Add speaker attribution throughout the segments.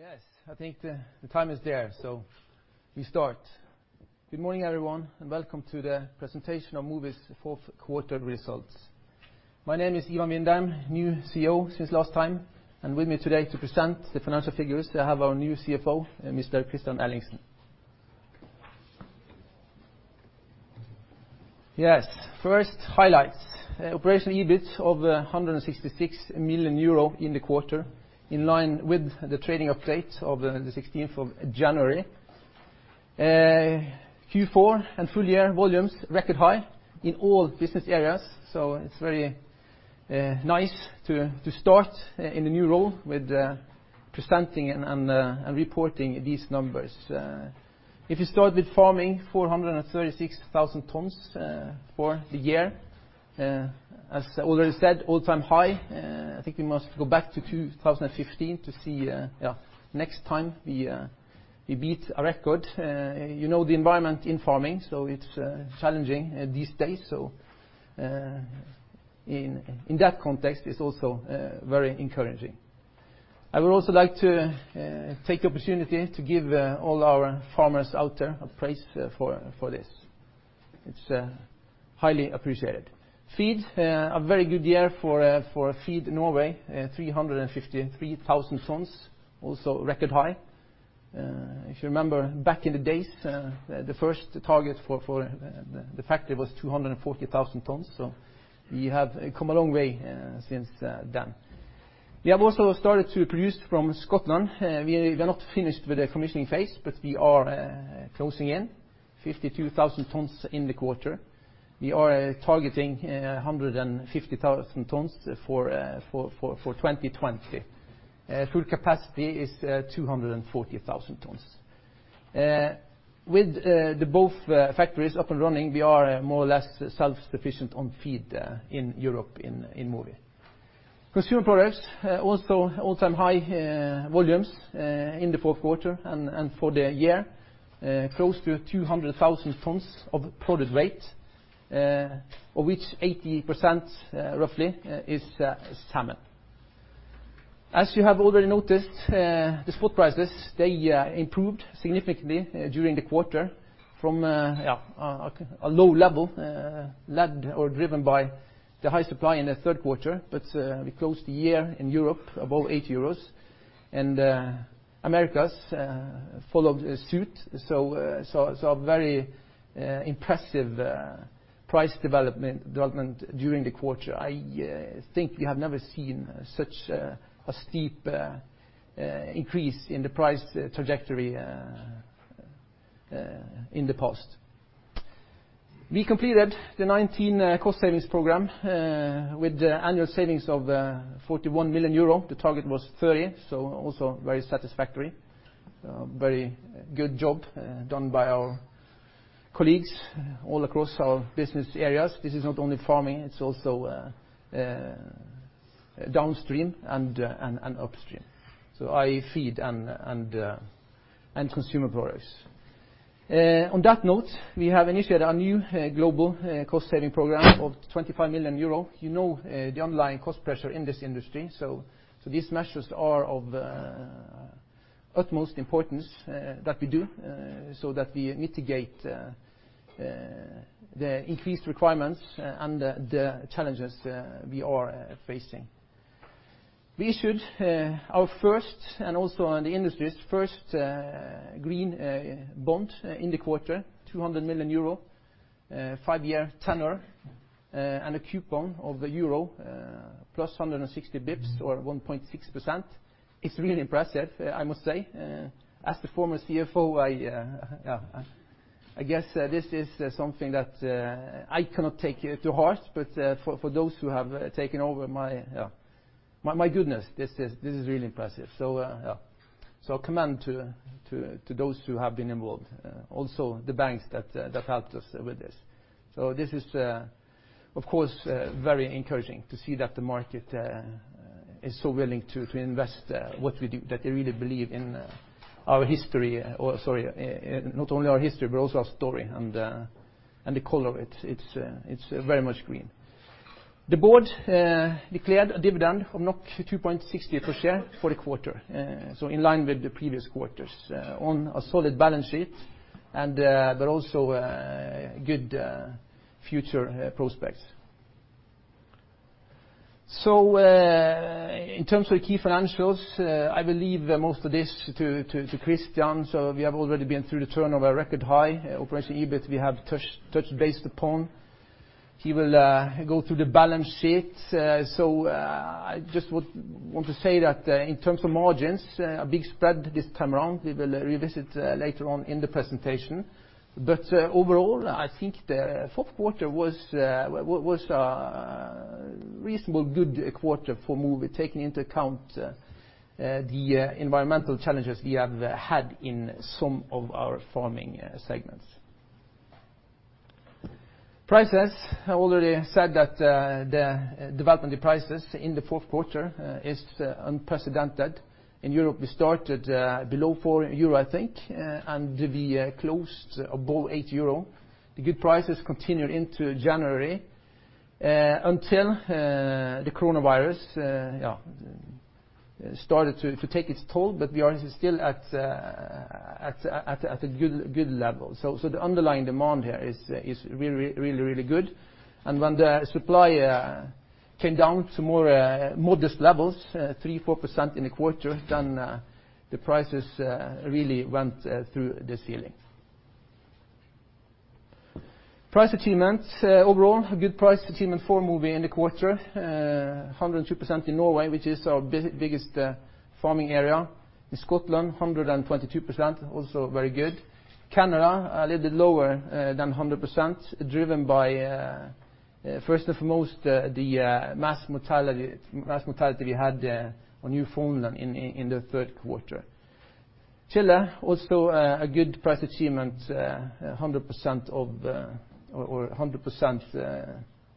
Speaker 1: Yes, I think the time is there, we start. Good morning, everyone, welcome to the presentation of Mowi's Fourth Quarter Results. My name is Ivan Vindheim, new CEO since last time, with me today to present the financial figures, I have our new CFO, Mr. Kristian Ellingsen. Yes. First, highlights. Operation EBIT of 166 million euro in the quarter, in line with the trading update of theJanuary 16th. Q4 and full year volumes, record high in all business areas. It's very nice to start in a new role with presenting and reporting these numbers. If you start with farming, 436,000 tons for the year. As already said, all-time high. I think we must go back to 2015 to see next time we beat a record. You know the environment in farming, it's challenging these days, in that context, it's also very encouraging. I would also like to take the opportunity to give all our farmers out there praise for this. It's highly appreciated. Feed, a very good year for Feed in Norway, 353,000 tons, also record high. If you remember back in the days, the first target for the factory was 240,000 tons, so we have come a long way since then. We have also started to produce from Scotland. We are not finished with the commissioning phase, but we are closing in. 52,000 tons in the quarter. We are targeting 150,000 tons for 2020. Full capacity is 240,000 tons. With both factories up and running, we are more or less self-sufficient on feed in Europe in Mowi. Consumer products, also all-time high volumes in the fourth quarter and for the year. Close to 200,000 tons of product weight, of which 80%, roughly, is salmon. As you have already noticed, the spot prices, they improved significantly during the quarter from a low level, led or driven by the high supply in the third quarter. We closed the year in Europe above 8 euros, and Americas followed suit. A very impressive price development during the quarter. I think we have never seen such a steep increase in the price trajectory in the past. We completed the 2019 cost savings program with annual savings of 41 million euro. The target was 30 million, also very satisfactory. Very good job done by our colleagues all across our business areas. This is not only farming, it's also downstream and upstream. Feed and consumer products. On that note, we have initiated a new global cost-saving program of 25 million euro. You know the underlying cost pressure in this industry, so these measures are of utmost importance that we do, so that we mitigate the increased requirements and the challenges we are facing. We issued our first, and also the industry's first, green bond in the quarter, 200 million euro, five-year tenor, and a coupon of a euro plus 160 basis points or 1.6%. It's really impressive, I must say. As the former CFO, I guess this is something that I cannot take it to heart, but for those who have taken over, my goodness, this is really impressive. Commend to those who have been involved. Also, the banks that helped us with this. This is, of course, very encouraging to see that the market is so willing to invest what we do, that they really believe in our history, or, sorry, not only our history, but also our story and the color. It's very much green. The board declared a dividend of 2.60 per share for the quarter, so in line with the previous quarters on a solid balance sheet but also good future prospects. In terms of key financials, I will leave most of this to Kristian. We have already been through the turnover record high. Operational EBIT, we have touched base upon. He will go through the balance sheet. I just would want to say that in terms of margins, a big spread this time around. We will revisit later on in the presentation. Overall, I think the fourth quarter was a reasonably good quarter for Mowi, taking into account the environmental challenges we have had in some of our farming segments. Prices, I already said that the development of the prices in the fourth quarter is unprecedented. In Europe, we started below 4 euro, I think, and we closed above 8 euro. The good prices continued into January until the coronavirus started to take its toll. We are still at a good level. The underlying demand here is really good. When the supply came down to more modest levels, 3%-4% in a quarter, than the prices really went through the ceiling. Price achievements. Overall, good price achievement for Mowi in the quarter, 102% in Norway, which is our biggest farming area. In Scotland, 122%, also very good. Canada, a little bit lower than 100%, driven by first and foremost, the mass mortality we had on Newfoundland in the third quarter. Chile, also a good price achievement, 100%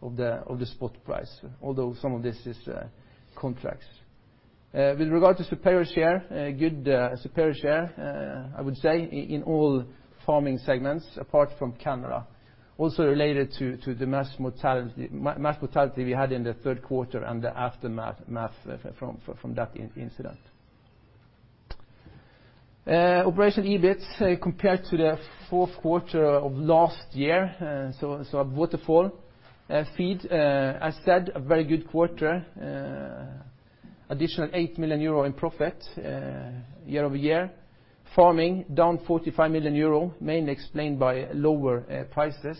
Speaker 1: of the spot price, although some of this is contracts. With regard to superior share, good superior share, I would say, in all farming segments apart from Canada, also related to the mass mortality we had in the third quarter and the aftermath from that incident. Operational EBIT compared to the fourth quarter of last year, a waterfall. Feed, as said, a very good quarter, additional 8 million euro in profit year-over-year. Farming down 45 million euro, mainly explained by lower prices.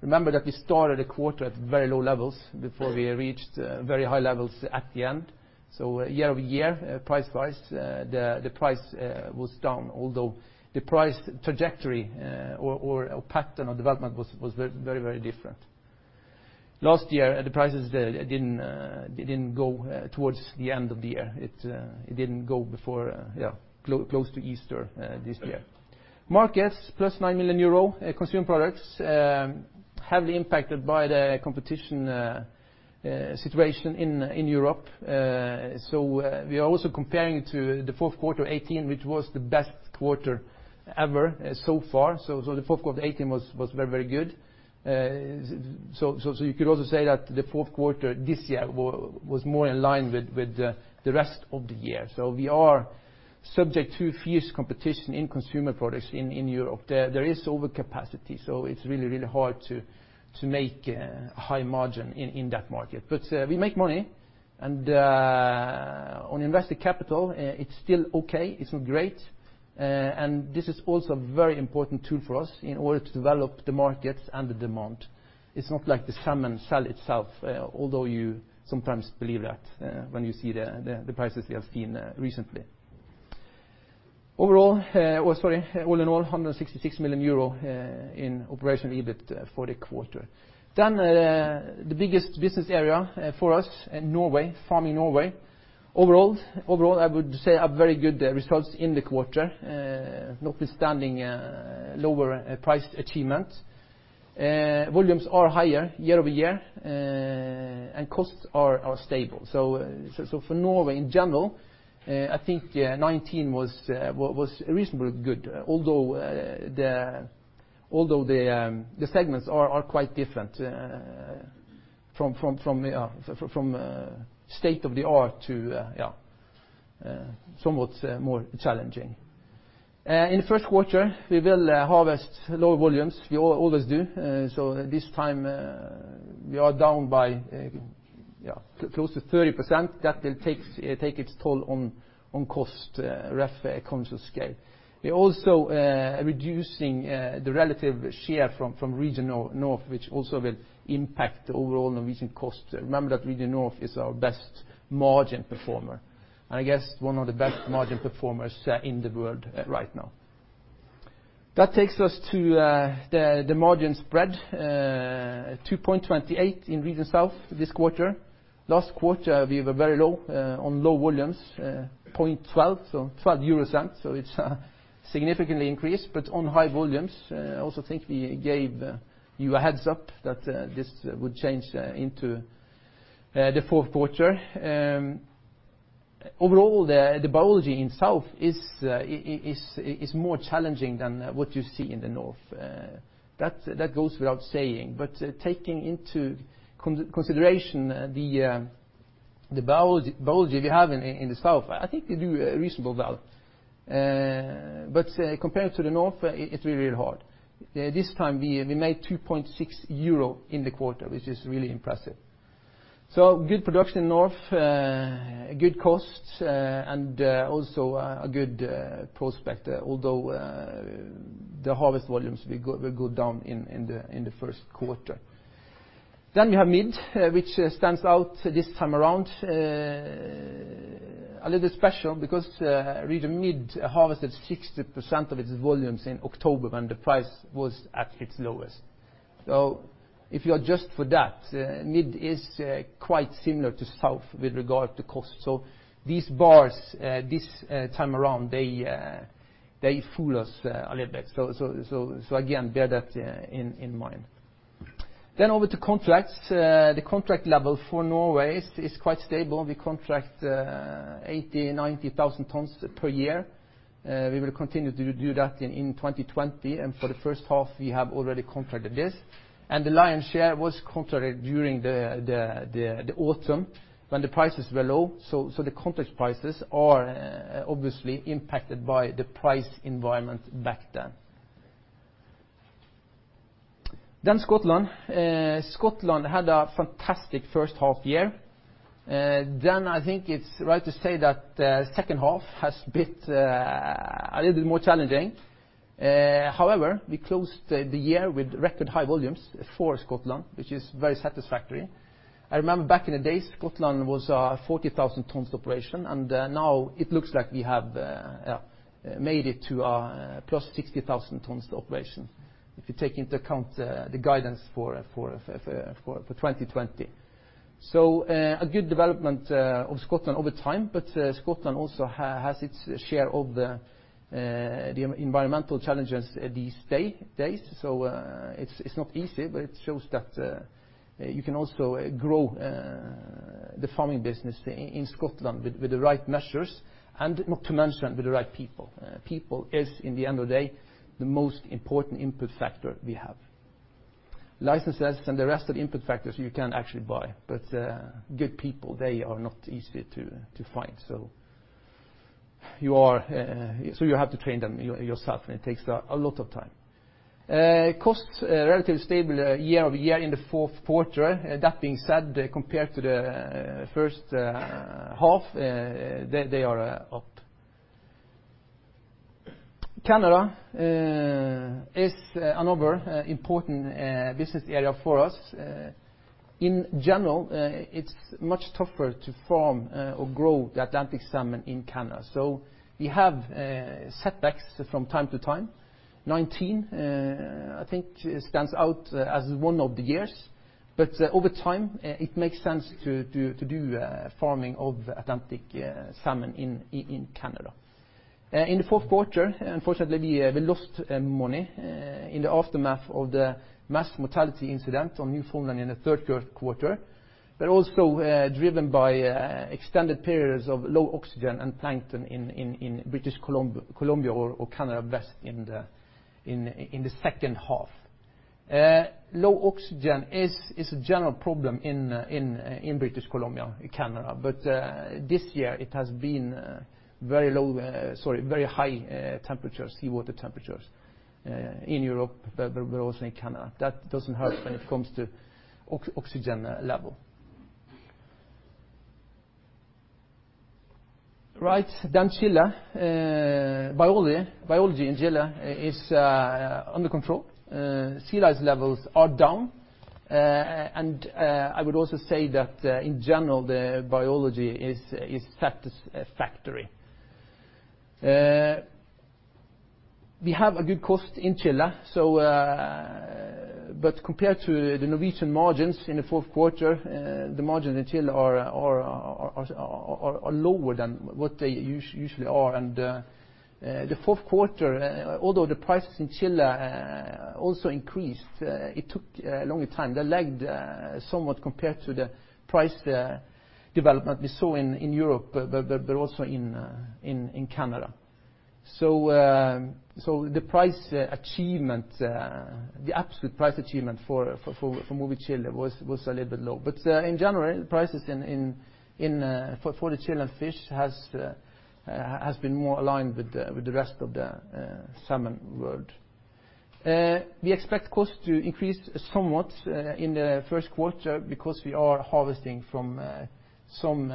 Speaker 1: Remember that we started the quarter at very low levels before we reached very high levels at the end. Year-over-year, price-wise, the price was down, although the price trajectory or pattern or development was very different. Last year, the prices didn't go towards the end of the year. It didn't go before close to Easter this year. Markets, +9 million euro. Consumer products, heavily impacted by the competition situation in Europe. We are also comparing to the fourth quarter 2018, which was the best quarter ever so far. The fourth quarter 2018 was very good. You could also say that the fourth quarter this year was more in line with the rest of the year. We are subject to fierce competition in consumer products in Europe. There is overcapacity, so it's really hard to make a high margin in that market. We make money, and on invested capital, it's still okay. It's not great. This is also a very important tool for us in order to develop the markets and the demand. It's not like the salmon sell itself, although you sometimes believe that when you see the prices we have seen recently. All in all, 166 million euro in operational EBIT for the quarter. The biggest business area for us, Norway, farming Norway. Overall, I would say a very good results in the quarter, notwithstanding lower price achievement. Volumes are higher year-over-year and costs are stable. For Norway in general, I think 2019 was reasonably good, although the segments are quite different from state of the art to somewhat more challenging. In the first quarter, we will harvest lower volumes. We always do. This time, we are down by close to 30%. That will take its toll on cost, rough economies of scale. We're also reducing the relative share from Region North, which also will impact overall Norwegian costs. Remember that Region North is our best margin performer, I guess one of the best margin performers in the world right now. That takes us to the margin spread, 2.28 million in Region South this quarter. Last quarter, we were very low on low volumes, 0.12, it's significantly increased. On high volumes, I also think we gave you a heads-up that this would change into the fourth quarter. Overall, the biology in South is more challenging than what you see in the North. That goes without saying. Taking into consideration the biology we have in the South, I think we do reasonable well. Compared to the North, it's really hard. This time, we made 2.6 million euro in the quarter, which is really impressive. Good production North, good costs, and also a good prospect, although the harvest volumes will go down in the first quarter. We have Mid, which stands out this time around. A little special because Region Mid harvested 60% of its volumes in October when the price was at its lowest. If you adjust for that, Mid is quite similar to South with regard to cost. These bars, this time around, they fool us a little bit. Again, bear that in mind. Over to contracts. The contract level for Norway is quite stable. We contract 80,000, 90,000 tons per year. We will continue to do that in 2020. For the first half, we have already contracted this, and the lion's share was contracted during the autumn when the prices were low. The contract prices are obviously impacted by the price environment back then. And Scotland. Scotland had a fantastic first half year. I think it's right to say that the second half has been a little bit more challenging. However, we closed the year with record high volumes for Scotland, which is very satisfactory. I remember back in the day, Scotland was a 40,000 tons operation, and now it looks like we have made it to a +60,000 tons operation, if you take into account the guidance for 2020. A good development of Scotland over time, but Scotland also has its share of the environmental challenges these days. It's not easy, but it shows that you can also grow the farming business in Scotland with the right measures and not to mention with the right people. People is, in the end of the day, the most important input factor we have. Licenses and the rest of the input factors you can actually buy, but good people, they are not easy to find, so you have to train them yourself, and it takes a lot of time. Costs, relatively stable year-over-year in the fourth quarter. That being said, compared to the first half, they are up. Canada is another important business area for us. In general, it's much tougher to farm or grow the Atlantic Salmon in Canada, so we have setbacks from time to time. A 2019, I think, stands out as one of the years, but over time it makes sense to do farming of Atlantic Salmon in Canada. In the fourth quarter, unfortunately, we lost money in the aftermath of the mass mortality incident on Newfoundland in the third quarter, but also driven by extended periods of low oxygen and plankton in British Columbia or Canada West in the second half. Low oxygen is a general problem in British Columbia in Canada. This year it has been very high temperatures, seawater temperatures, in Europe, but also in Canada. That doesn't help when it comes to oxygen level. Right. Chile. Biology in Chile is under control. Sea lice levels are down. I would also say that in general, the biology is satisfactory. We have a good cost in Chile. Compared to the Norwegian margins in the fourth quarter, the margins in Chile are lower than what they usually are. The fourth quarter, although the prices in Chile also increased, it took a longer time. They lagged somewhat compared to the price development we saw in Europe, but also in Canada. The absolute price achievement for Mowi Chile was a little bit low, but in general, the prices for the Chilean fish has been more aligned with the rest of the salmon world. We expect costs to increase somewhat in the first quarter because we are harvesting from some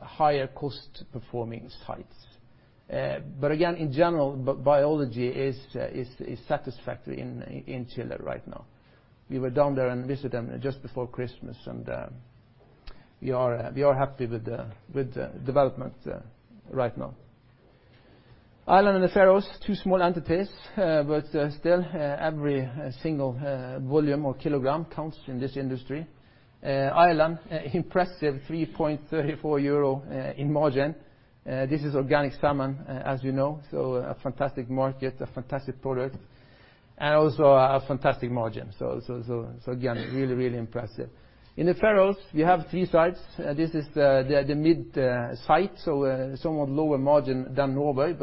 Speaker 1: higher cost performing sites. Again, in general, biology is satisfactory in Chile right now. We were down there and visit them just before Christmas, and we are happy with the development right now. Ireland and the Faroes, two small entities, but still every single volume or kilogram counts in this industry. Ireland, impressive 3.34 euro in margin. This is organic salmon, as you know. A fantastic market, a fantastic product, and also a fantastic margin. Again, really impressive. In the Faroes, we have three sites. This is the mid site, somewhat lower margin than Norway,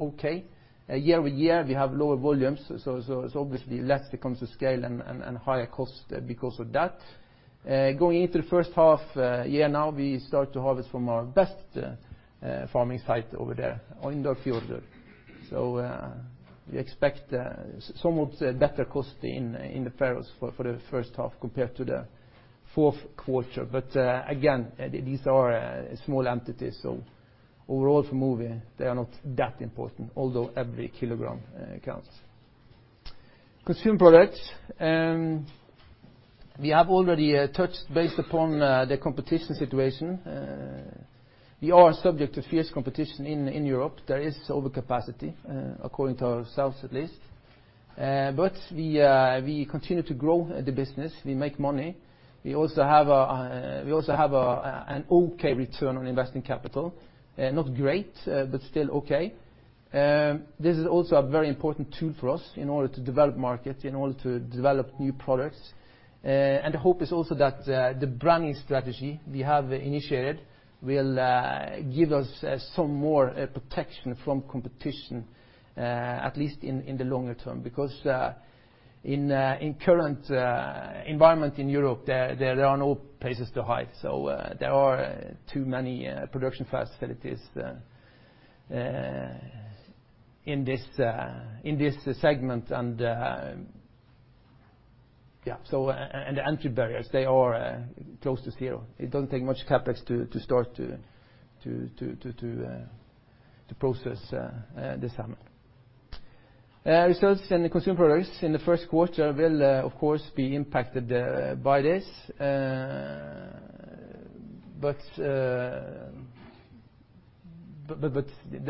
Speaker 1: okay. Year-over-year, we have lower volumes, it's obviously less when it comes to scale and higher cost because of that. Going into the first half year now, we start to harvest from our best farming site over there on the fjord. We expect somewhat better cost in the Faroes for the first half compared to the fourth quarter. Again, these are small entities, overall for Mowi, they are not that important, although every kilogram counts. Consumer products. We have already touched base upon the competition situation. We are subject to fierce competition in Europe. There is overcapacity, according to ourselves at least. We continue to grow the business. We make money. We also have an okay return on investing capital. Not great, but still okay. This is also a very important tool for us in order to develop market, in order to develop new products. The hope is also that the branding strategy we have initiated will give us some more protection from competition, at least in the longer term, because in current environment in Europe, there are no places to hide. There are too many production facilities in this segment. The entry barriers, they are close to zero. It doesn't take much CapEx to start to process the salmon. Results in the consumer products in the first quarter will, of course, be impacted by this. The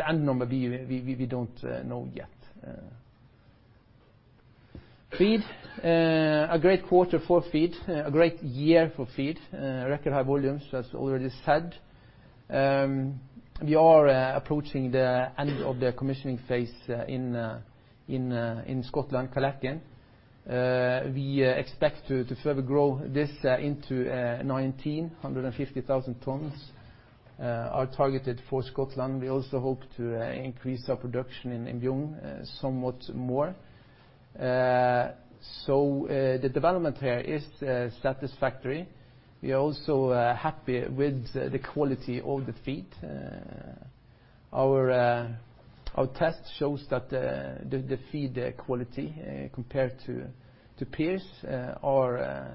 Speaker 1: end number, we don't know yet. Feed, a great quarter for feed. A great year for feed. Record high volumes, as already said. We are approaching the end of the commissioning phase in Scotland, Kyleakin. We expect to further grow this into 2020, 150,000 tons are targeted for Scotland. We also hope to increase our production in Bjugn somewhat more. The development here is satisfactory. We are also happy with the quality of the feed. Our test shows that the feed quality compared to peers are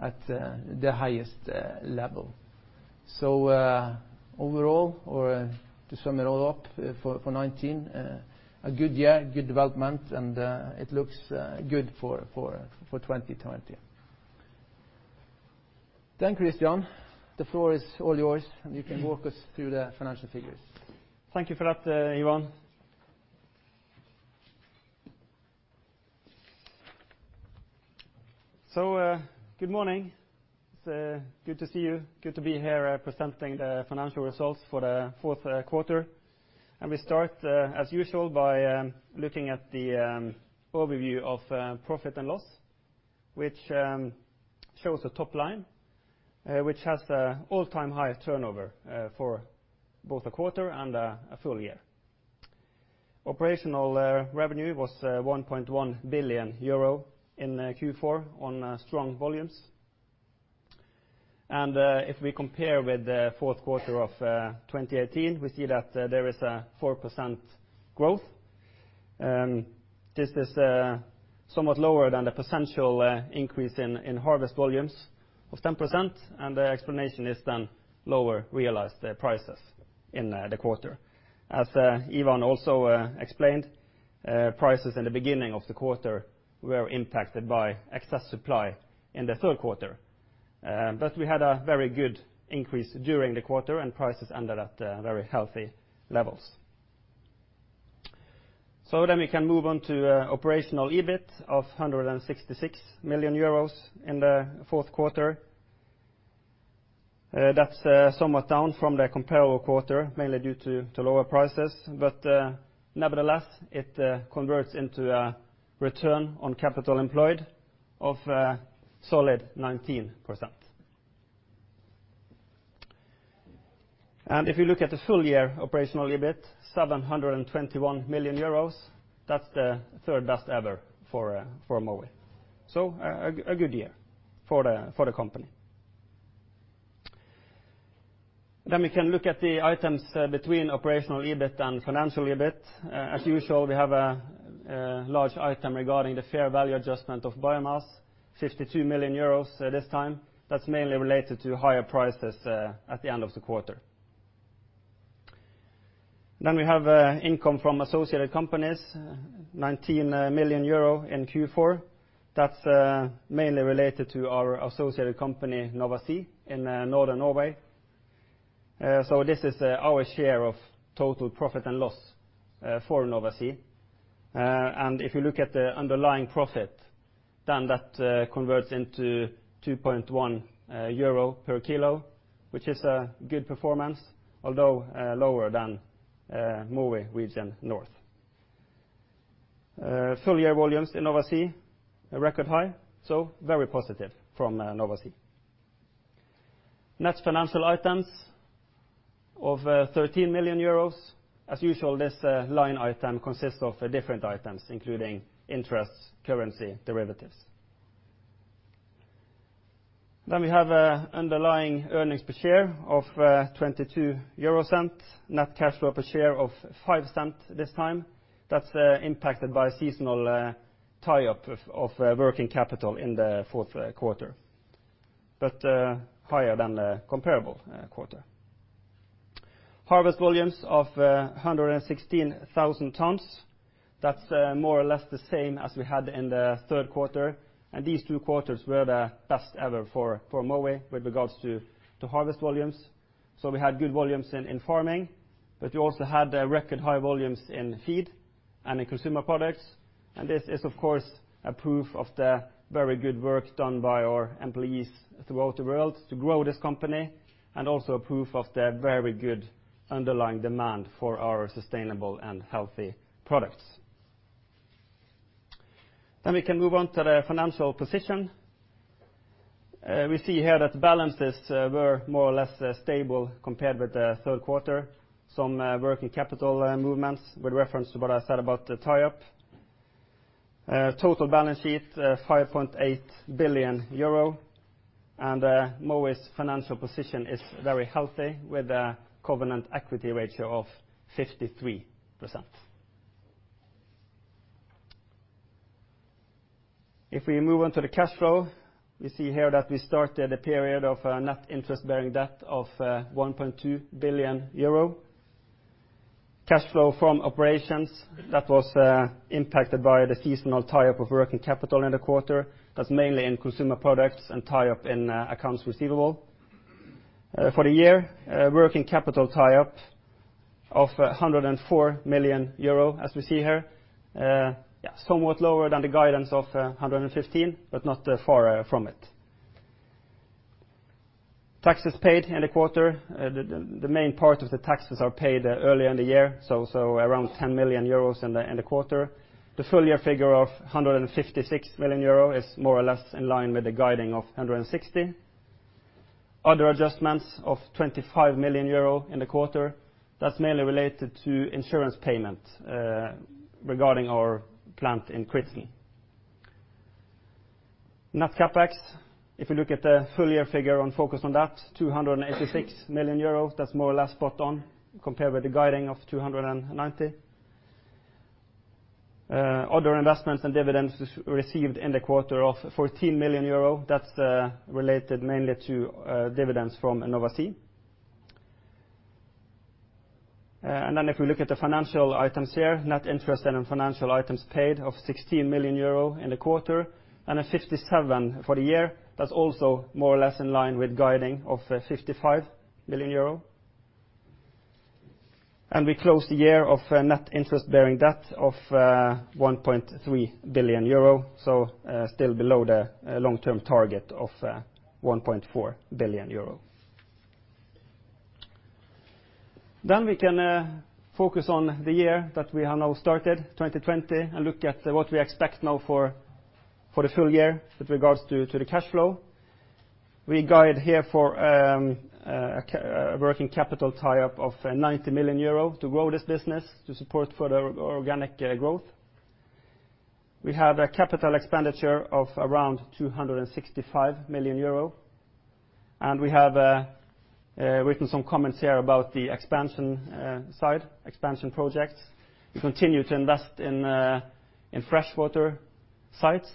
Speaker 1: at the highest level. Overall, or to sum it all up, for 2019, a good year, good development, and it looks good for 2020. Kristian, the floor is all yours, and you can walk us through the financial figures.
Speaker 2: Thank you for that, Ivan. Good morning. It's good to see you. Good to be here presenting the financial results for the fourth quarter. We start, as usual, by looking at the overview of profit and loss, which shows the top line, which has all-time-high turnover for both a quarter and a full year. Operational revenue was 1.1 billion euro in Q4 on strong volumes. If we compare with the fourth quarter of 2018, we see that there is a 4% growth. This is somewhat lower than the potential increase in harvest volumes of 10%, the explanation is then lower realized prices in the quarter. As Ivan also explained, prices in the beginning of the quarter were impacted by excess supply in the third quarter. We had a very good increase during the quarter and prices ended at very healthy levels. We can move on to operational EBIT of 166 million euros in the fourth quarter. That's somewhat down from the comparable quarter, mainly due to lower prices. Nevertheless, it converts into a return on capital employed of a solid 19%. If you look at the full year operational EBIT, 721 million euros. That's the third-best ever for Mowi. A good year for the company. We can look at the items between operational EBIT and financial EBIT. As usual, we have a large item regarding the fair value adjustment of biomass, 52 million euros this time. That's mainly related to higher prices at the end of the quarter. We have income from associated companies, 19 million euro in Q4. That's mainly related to our associated company, Nova Sea, in Northern Norway. This is our share of total profit and loss for Nova Sea. If you look at the underlying profit, that converts into 2.1 euro per kilo, which is a good performance, although lower than Mowi Region North. Full year volumes in Nova Sea, a record high. Very positive from Nova Sea. Net financial items of 13 million euros. As usual, this line item consists of different items, including interests, currency, derivatives. We have underlying earnings per share of 0.22, net cash flow per share of 0.05 this time. That's impacted by a seasonal tie-up of working capital in the fourth quarter, but higher than the comparable quarter. Harvest volumes of 116,000 tons. That's more or less the same as we had in the third quarter, and these two quarters were the best ever for Mowi with regards to harvest volumes. We had good volumes in farming, but we also had record high volumes in feed and in consumer products. This is, of course, a proof of the very good work done by our employees throughout the world to grow this company, and also a proof of the very good underlying demand for our sustainable and healthy products. We can move on to the financial position. We see here that balances were more or less stable compared with the third quarter. Some working capital movements with reference to what I said about the tie-up. Total balance sheet, 5.8 billion euro. Mowi's financial position is very healthy, with a covenant equity ratio of 53%. If we move on to the cash flow, we see here that we started a period of net interest-bearing debt of 1.2 billion euro. Cash flow from operations, that was impacted by the seasonal tie-up of working capital in the quarter. That's mainly in consumer products and tie-up in accounts receivable. For the year, working capital tie-up of 104 million euro, as we see here. Somewhat lower than the guidance of 115, not far from it. Taxes paid in the quarter, the main part of the taxes are paid earlier in the year, so around 10 million euros in the quarter. The full-year figure of 156 million euro is more or less in line with the guiding of 160. Other adjustments of 25 million euro in the quarter. That's mainly related to insurance payment regarding our plant in Kritsen. Net CapEx. If you look at the full-year figure and focus on that, 286 million euros. That's more or less spot on compared with the guiding of 290 million. Other investments and dividends received in the quarter of 14 million euro. That's related mainly to dividends from Nova Sea. If we look at the financial items here, net interest and financial items paid of 16 million euro in the quarter, and at 57 million for the year. That's also more or less in line with guiding of 55 million euro. We closed the year of net interest-bearing debt of 1.3 billion euro, so still below the long-term target of 1.4 billion euro. We can focus on the year that we have now started, 2020, and look at what we expect now for the full year with regards to the cash flow. We guide here for a working capital tie-up of 90 million euro to grow this business to support further organic growth. We have a CapEx of around 265 million euro, we have written some comments here about the expansion side, expansion projects. We continue to invest in freshwater sites,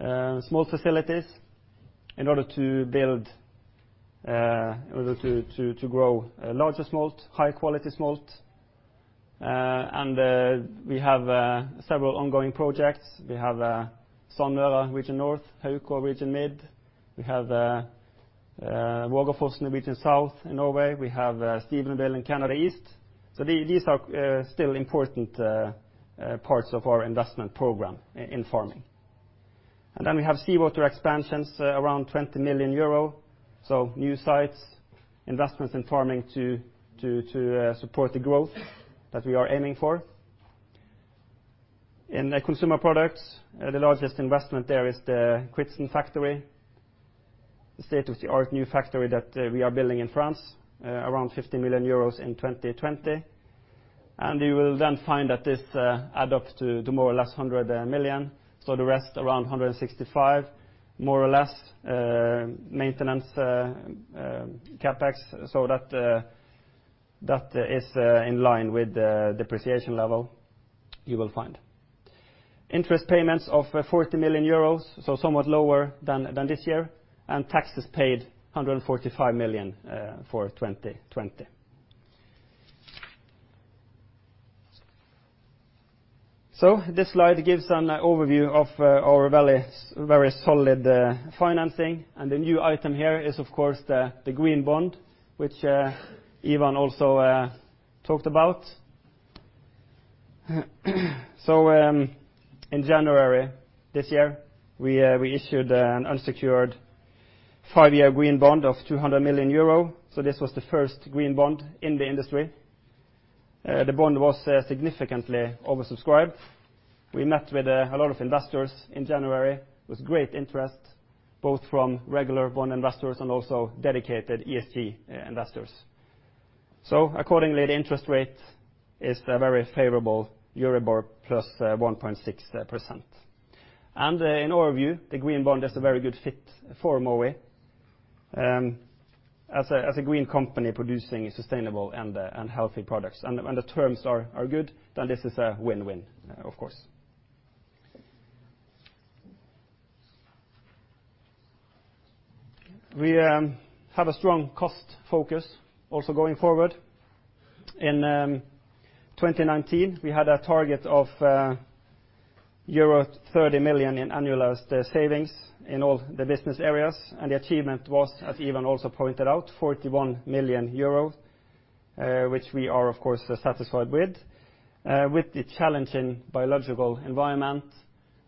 Speaker 2: small facilities, in order to grow larger smolt, high-quality smolt. We have several ongoing projects. We have Sandeåa, region north, Hauka, region mid. We have Vågafoss, in the region south in Norway. We have Stephenville in Canada East. These are still important parts of our investment program in farming. We have seawater expansions, around 20 million euro. New sites, investments in farming to support the growth that we are aiming for. In consumer products, the largest investment there is the Kritsen factory, the state-of-the-art new factory that we are building in France, around 50 million euros in 2020. We will then find that this add up to more or less 100 million. The rest, around 165, more or less, maintenance CapEx. That is in line with the depreciation level you will find. Interest payments of 40 million euros, somewhat lower than this year. Taxes paid, 145 million for 2020. This slide gives an overview of our very solid financing. The new item here is, of course, the green bond, which Ivan also talked about. In January this year, we issued an unsecured five-year green bond of 200 million euro. This was the first green bond in the industry. The bond was significantly oversubscribed. We met with a lot of investors in January. It was great interest, both from regular bond investors and also dedicated ESG investors. Accordingly, the interest rate is a very favorable Euribor +1.6%. In our view, the green bond is a very good fit for Mowi. As a green company producing sustainable and healthy products. The terms are good, then this is a win-win, of course. We have a strong cost focus also going forward. In 2019, we had a target of euro 30 million in annualized savings in all the business areas, and the achievement was, as Ivan also pointed out, 41 million euros, which we are, of course, satisfied with. With the challenging biological environment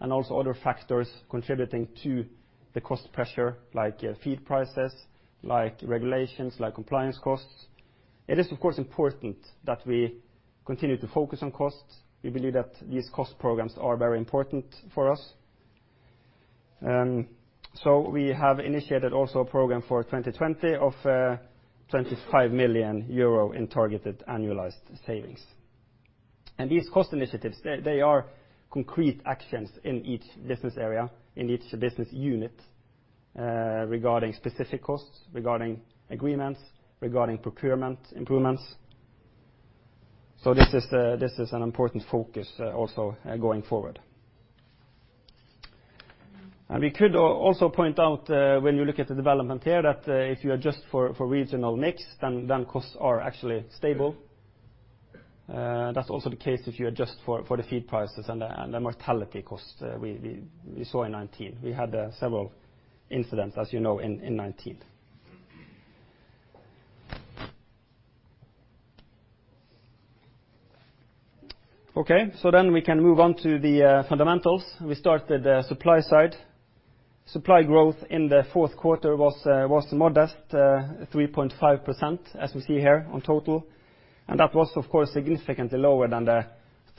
Speaker 2: and also other factors contributing to the cost pressure, like feed prices, like regulations, like compliance costs, it is important that we continue to focus on costs. We believe that these cost programs are very important for us. We have initiated also a program for 2020 of 25 million euro in targeted annualized savings. These cost initiatives, they are concrete actions in each business area, in each business unit, regarding specific costs, regarding agreements, regarding procurement improvements. This is an important focus also going forward. We could also point out, when you look at the development here, that if you adjust for regional mix, then costs are actually stable. That's also the case if you adjust for the feed prices and the mortality costs we saw in 2019. We had several incidents, as you know, in 2019. We can move on to the fundamentals. We start at the supply side. Supply growth in the fourth quarter was modest, 3.5%, as we see here on total, and that was, of course, significantly lower than the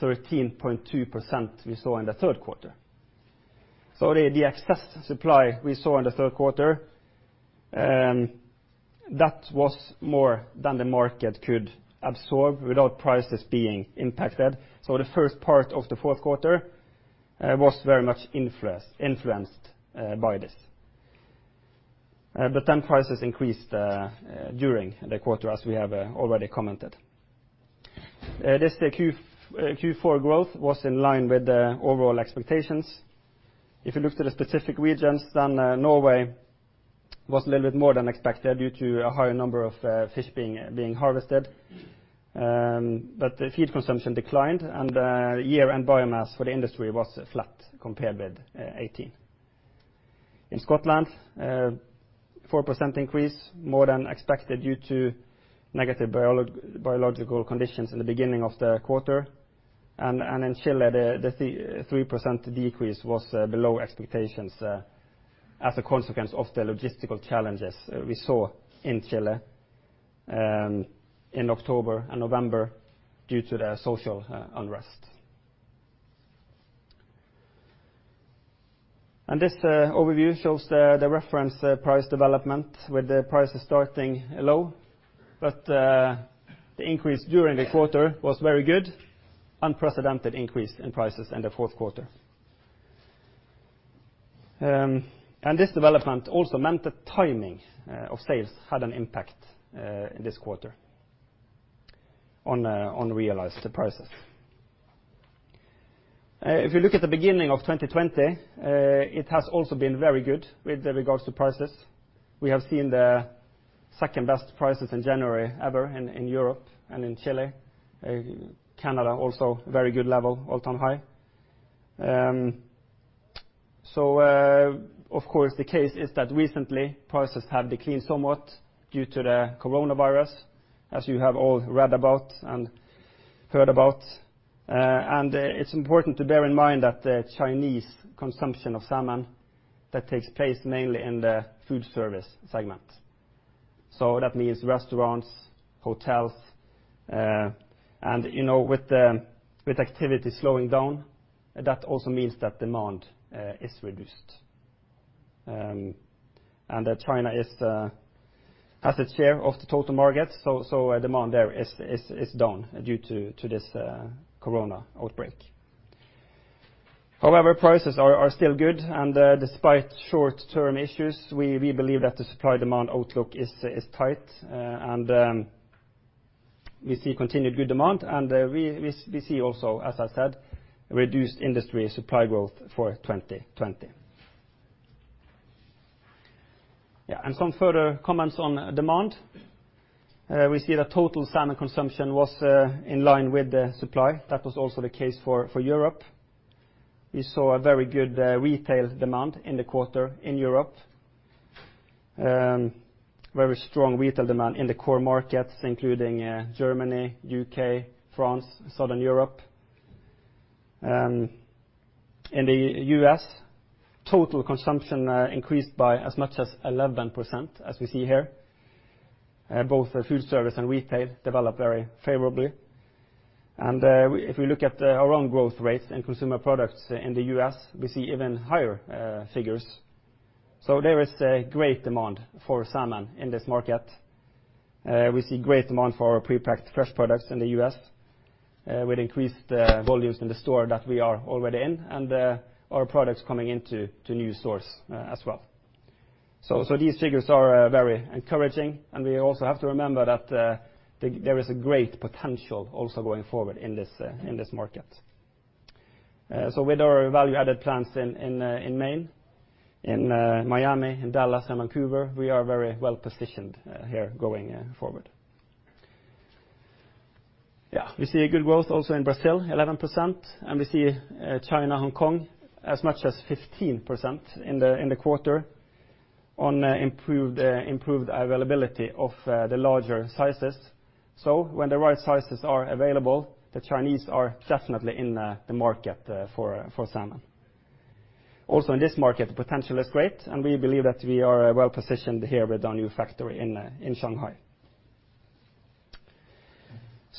Speaker 2: 13.2% we saw in the third quarter. The excess supply we saw in the third quarter, that was more than the market could absorb without prices being impacted. The first part of the fourth quarter was very much influenced by this. Prices increased during the quarter, as we have already commented. This Q4 growth was in line with the overall expectations. If you look to the specific regions, Norway was a little bit more than expected due to a higher number of fish being harvested. The feed consumption declined, and the year-end biomass for the industry was flat compared with 2018. In Scotland, 4% increase, more than expected, due to negative biological conditions in the beginning of the quarter. In Chile, the 3% decrease was below expectations as a consequence of the logistical challenges we saw in Chile in October and November due to the social unrest. This overview shows the reference price development with the prices starting low, but the increase during the quarter was very good, unprecedented increase in prices in the fourth quarter. This development also meant the timing of sales had an impact in this quarter on realized prices. If you look at the beginning of 2020, it has also been very good with regards to prices. We have seen the second-best prices in January ever in Europe and in Chile. Canada also very good level, all-time high. Of course, the case is that recently prices have declined somewhat due to the coronavirus, as you have all read about and heard about. It's important to bear in mind that the Chinese consumption of salmon, that takes place mainly in the food service segment. That means restaurants, hotels. With activity slowing down, that also means that demand is reduced. That China has its share of the total market, demand there is down due to this corona outbreak. Prices are still good. Despite short-term issues, we believe that the supply-demand outlook is tight. We see continued good demand. We see also, as I said, reduced industry supply growth for 2020. Some further comments on demand. We see that total salmon consumption was in line with the supply. That was also the case for Europe. We saw a very good retail demand in the quarter in Europe. Very strong retail demand in the core markets, including Germany, U.K., France, Southern Europe. In the U.S., total consumption increased by as much as 11%, as we see here. Both food service and retail developed very favorably. If we look at our own growth rates and consumer products in the U.S., we see even higher figures. There is a great demand for salmon in this market. We see great demand for prepacked fresh products in the U.S., with increased volumes in the store that we are already in, and our products coming into new stores as well. These figures are very encouraging, and we also have to remember that there is a great potential also going forward in this market. With our value-added plans in Maine, in Miami, in Dallas, and Vancouver, we are very well-positioned here going forward. Yeah. We see a good growth also in Brazil, 11%, and we see China, Hong Kong as much as 15% in the quarter on improved availability of the larger sizes. When the right sizes are available, the Chinese are definitely in the market for salmon. Also in this market, the potential is great, and we believe that we are well-positioned here with our new factory in Shanghai.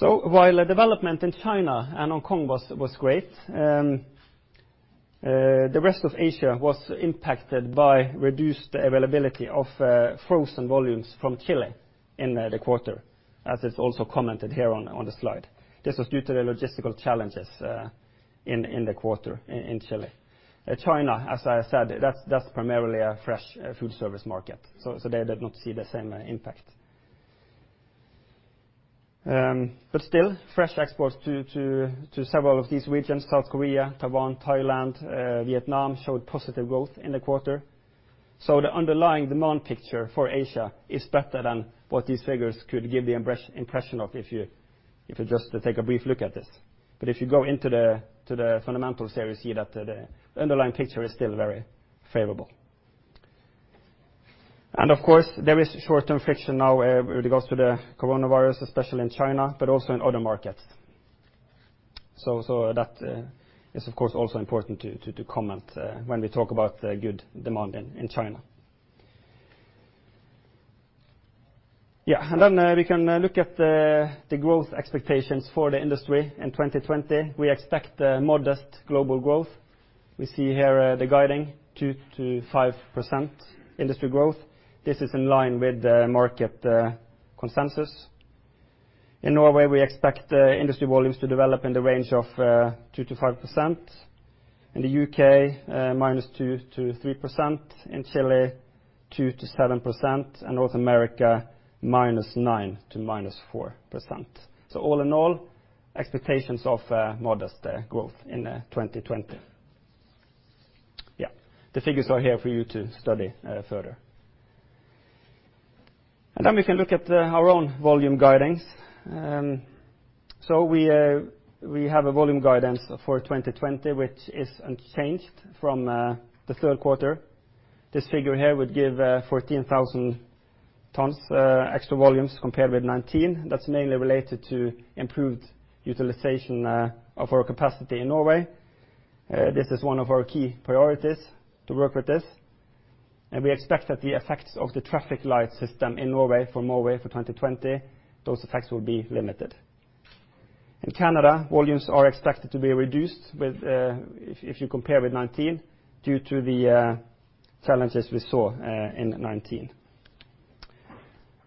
Speaker 2: While the development in China and Hong Kong was great, the rest of Asia was impacted by reduced availability of frozen volumes from Chile in the quarter, as it's also commented here on the slide. This was due to the logistical challenges in the quarter in Chile. China, as I said, that's primarily a fresh food service market, they did not see the same impact. Still, fresh exports to several of these regions, South Korea, Taiwan, Thailand, Vietnam, showed positive growth in the quarter. The underlying demand picture for Asia is better than what these figures could give the impression of if you just take a brief look at this. If you go into the fundamentals here, you see that the underlying picture is still very favorable. Of course, there is short-term friction now with regards to the coronavirus, especially in China, but also in other markets. That is, of course, also important to comment when we talk about good demand in China. We can look at the growth expectations for the industry in 2020. We expect modest global growth. We see here the guiding 2%-5% industry growth. This is in line with market consensus. In Norway, we expect industry volumes to develop in the range of 2%-5%. In the U.K., -2% to 3%. In Chile, 2%-7%, and North America, -9% to -4%. All in all, expectations of modest growth in 2020. The figures are here for you to study further. We can look at our own volume guidance. We have a volume guidance for 2020, which is unchanged from the third quarter. This figure here would give 14,000 tons extra volumes compared with 2019. That's mainly related to improved utilization of our capacity in Norway. This is one of our key priorities to work with this, and we expect that the effects of the traffic light system in Norway for Mowi for 2020, those effects will be limited. In Canada, volumes are expected to be reduced if you compare with 2019 due to the challenges we saw in 2019.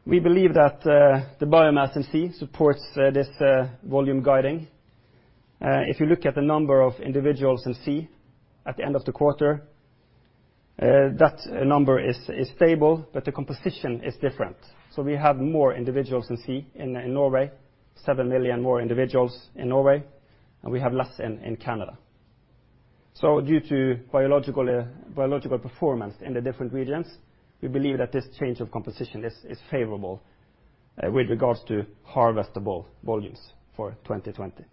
Speaker 2: We believe that the biomass in sea supports this volume guiding. If you look at the number of individuals in sea at the end of the quarter, that number is stable, but the composition is different. We have more individuals in sea in Norway, 7 million more individuals in Norway, and we have less in Canada. Due to biological performance in the different regions, we believe that this change of composition is favorable with regards to harvestable volumes for 2020.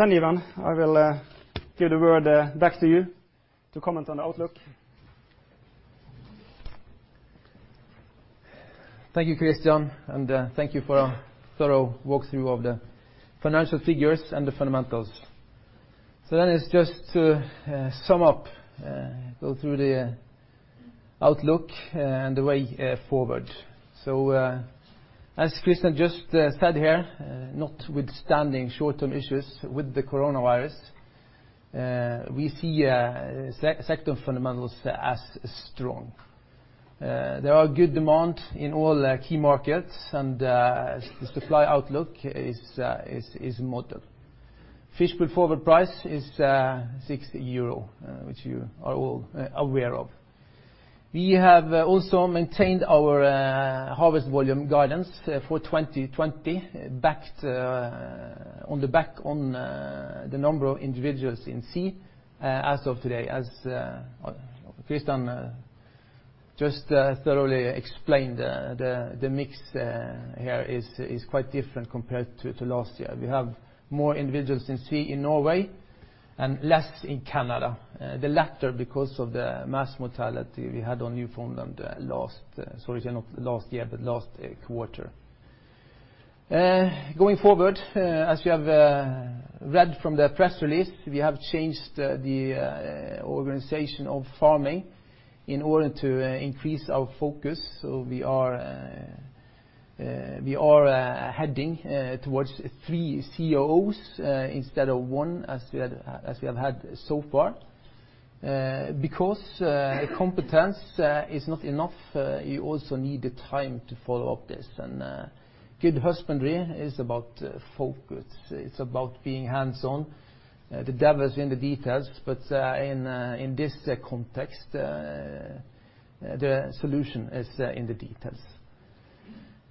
Speaker 2: Ivan, I will give the word back to you to comment on the outlook.
Speaker 1: Thank you, Kristian, thank you for a thorough walkthrough of the financial figures and the fundamentals. It's just to sum up, go through the outlook and the way forward. As Kristian just said here, notwithstanding short-term issues with the coronavirus, we see sector fundamentals as strong. There are good demand in all key markets and the supply outlook is modest. Fish meal forward price is 60 euro, which you are all aware of. We have also maintained our harvest volume guidance for 2020 on the back on the number of individuals in sea as of today. As Christian just thoroughly explained, the mix here is quite different compared to last year. We have more individuals in sea in Norway and less in Canada, the latter because of the mass mortality we had on Newfoundland. Sorry, not last year, but last quarter. Going forward, as you have read from the press release, we have changed the organization of farming in order to increase our focus. We are heading towards three COOs instead of one as we have had so far. Competence is not enough, you also need the time to follow up this, and good husbandry is about focus. It's about being hands-on. The devil is in the details, but in this context, the solution is in the details.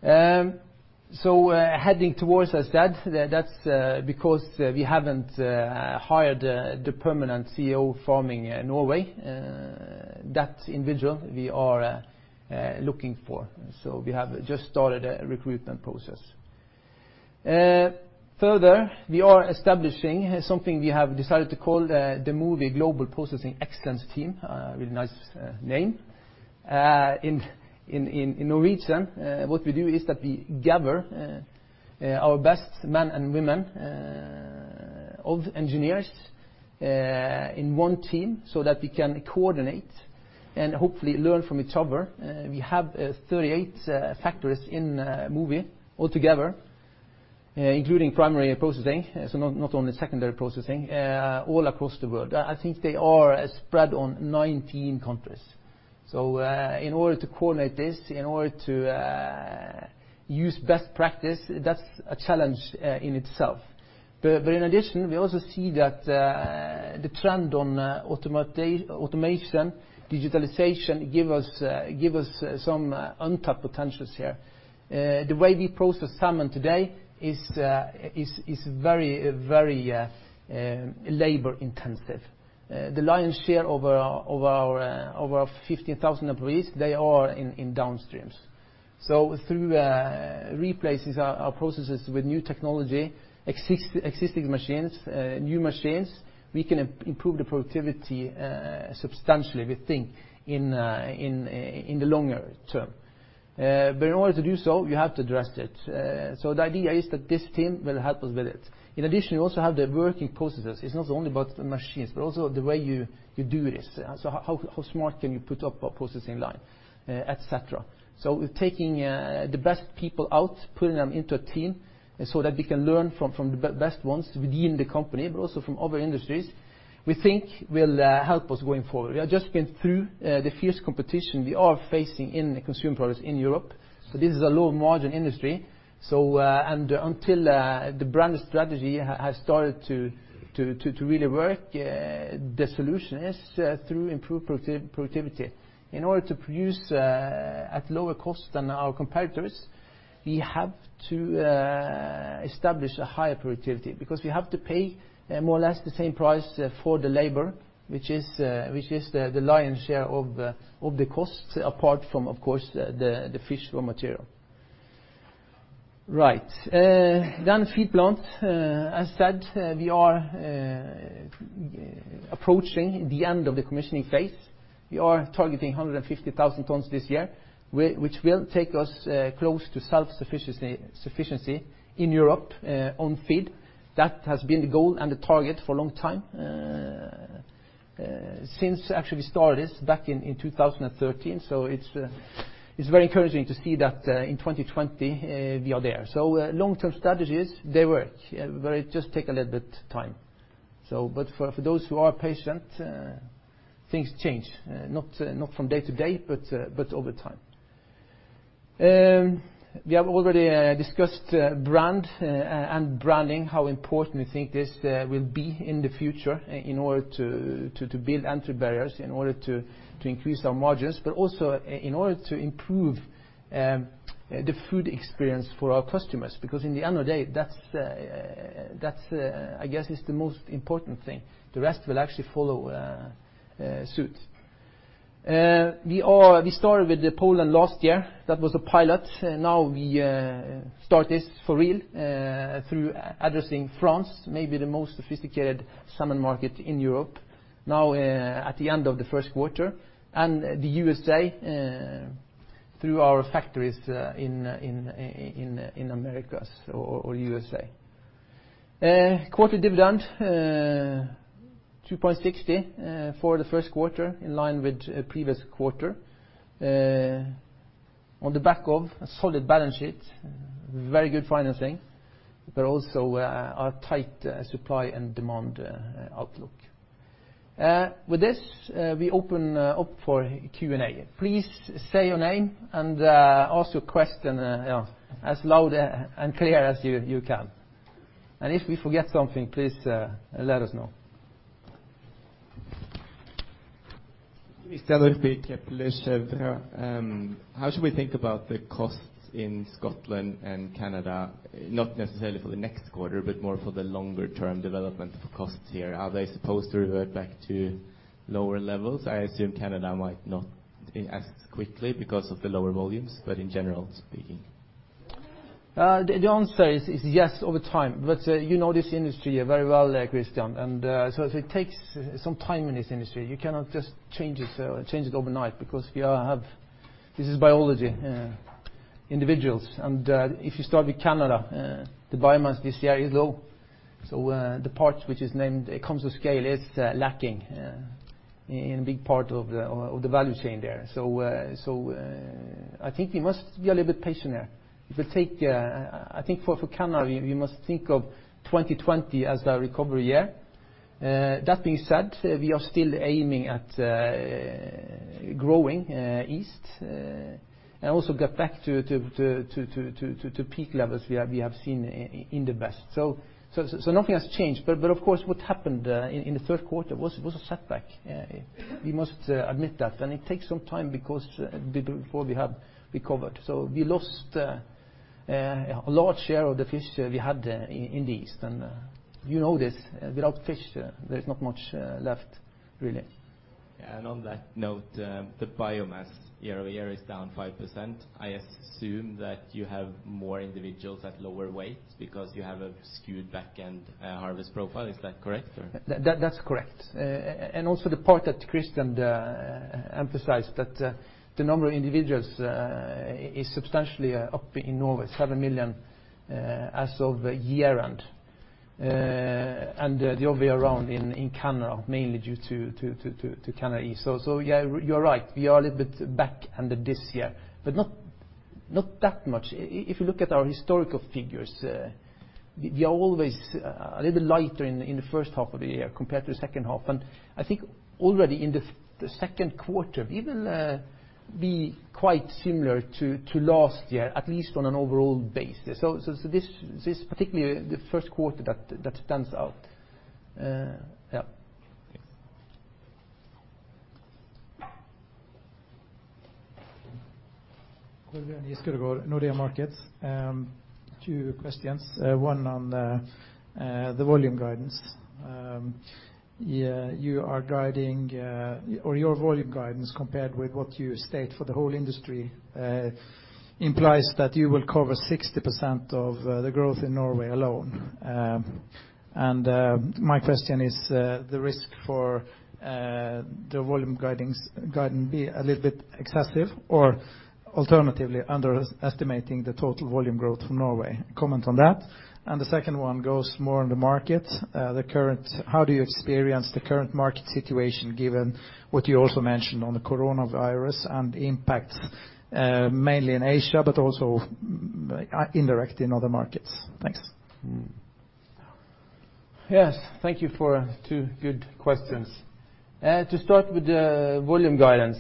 Speaker 1: Heading towards that's because we haven't hired the permanent CEO for Norway. That individual we are looking for. We have just started a recruitment process. Further, we are establishing something we have decided to call the Mowi Global Processing Excellence Team, a really nice name. In Norwegian, what we do is that we gather our best men and women, all the engineers, in one team so that we can coordinate and hopefully learn from each other. We have 38 factories in Mowi altogether, including primary processing, so not only secondary processing, all across the world. I think they are spread on 19 countries. In order to coordinate this, in order to use best practice, that's a challenge in itself. In addition, we also see that the trend on automation, digitalization, give us some untapped potentials here. The way we process salmon today is very labor intensive. The lion's share of our 15,000 employees, they are in downstreams. Through replacing our processes with new technology, existing machines, new machines, we can improve the productivity substantially, we think, in the longer term. In order to do so, we have to address it. The idea is that this team will help us with it. In addition, we also have the working processes. It's not only about the machines, but also the way you do this. How smart can you put up a processing line, et cetera? We're taking the best people out, putting them into a team so that we can learn from the best ones within the company, but also from other industries, we think will help us going forward. We have just been through the fierce competition we are facing in consumer products in Europe. This is a low-margin industry. Until the brand strategy has started to really work, the solution is through improved productivity. In order to produce at lower cost than our competitors, we have to establish a higher productivity because we have to pay more or less the same price for the labor, which is the lion's share of the costs apart from, of course, the fish raw material. Right. The Feed plant. As said, we are approaching the end of the commissioning phase. We are targeting 150,000 tons this year, which will take us close to self-sufficiency in Europe on feed. That has been the goal and the target for a long time, since actually we started this back in 2013. It's very encouraging to see that in 2020 we are there. Long-term strategies, they work, it just take a little bit of time. For those who are patient, things change. Not from day to day, over time. We have already discussed brand and branding, how important we think this will be in the future in order to build entry barriers, in order to increase our margins, but also in order to improve the food experience for our customers, because in the end of the day, that, I guess, is the most important thing. The rest will actually follow suit. We started with Poland last year. That was a pilot. We start this for real through addressing France, maybe the most sophisticated salmon market in Europe now at the end of the first quarter, and the U.S.A. through our factories in Americas or U.S.A.. Quarterly dividend, 2.60 for the first quarter, in line with the previous quarter, on the back of a solid balance sheet, very good financing, but also our tight supply and demand outlook. With this, we open up for Q&A. Please say your name and ask your question as loud and clear as you can. If we forget something, please let us know.
Speaker 3: Christian Nordby, Kepler Cheuvreux. How should we think about the costs in Scotland and Canada? Not necessarily for the next quarter, but more for the longer-term development of costs here. Are they supposed to revert back to lower levels? I assume Canada might not as quickly because of the lower volumes, but in general speaking.
Speaker 1: The answer is yes, over time. You know this industry very well, Christian. It takes some time in this industry. You cannot just change it overnight because this is biology, individuals. If you start with Canada, the biomass this year is low. The part which comes with scale is lacking in a big part of the value chain there. I think we must be a little bit patient there. I think for Canada, we must think of 2020 as the recovery year. That being said, we are still aiming at growing east and also get back to peak levels we have seen in the best. Nothing has changed. Of course, what happened in the third quarter was a setback. We must admit that. It takes some time before we have recovered. We lost a large share of the fish we had in the east. You know this, without fish, there is not much left, really.
Speaker 3: Yeah. On that note, the biomass year-over-year is down 5%. I assume that you have more individuals at lower weights because you have a skewed back-end harvest profile. Is that correct or?
Speaker 1: That's correct. Also the part that Kristian emphasized, that the number of individuals is substantially up in Norway, 7 million as of year-end. The other way around in Canada, mainly due to Canada East. Yeah, you are right. We are a little bit back-ended this year, but not that much. If you look at our historical figures, we are always a little lighter in the first half of the year compared to the second half. I think already in the second quarter, we will be quite similar to last year, at least on an overall basis. It's particularly the first quarter that stands out. Yeah.
Speaker 4: Kolbjørn Giskeødegård Nordea Markets. Two questions, one on the volume guidance. Your volume guidance compared with what you state for the whole industry, implies that you will cover 60% of the growth in Norway alone. My question is, the risk for the volume guiding be a little bit excessive or alternatively underestimating the total volume growth from Norway? Comment on that. The second one goes more on the market. How do you experience the current market situation given what you also mentioned on the coronavirus and impact, mainly in Asia, but also indirectly in other markets? Thanks.
Speaker 1: Yes. Thank you for two good questions. To start with the volume guidance.